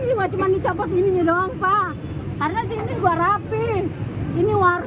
ia juga terlihat terlihat terlihat